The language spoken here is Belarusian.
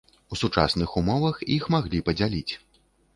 У сучасных умовах іх маглі падзяліць.